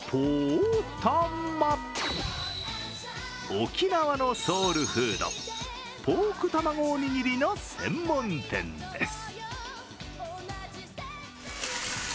沖縄のソウルフード、ポークたまごおにぎりの専門店です。